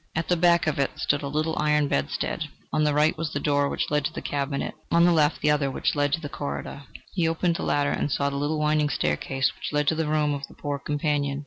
At the back of it stood a little iron bedstead; on the right was the door which led to the cabinet; on the left the other which led to the corridor. He opened the latter, and saw the little winding staircase which led to the room of the poor companion...